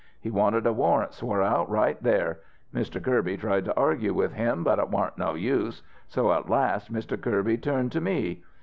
He wanted a warrant swore out right there. Mr. Kirby tried to argue with him, but it warn't no use. So at last Mr. Kirby turned to me.